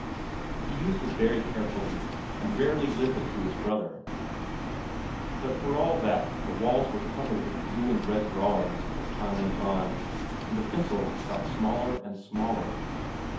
He used it very carefully, and rarely lent it to his brother, but for all that the walls were covered with blue and red drawings as time went on, and the pencil got smaller and smaller.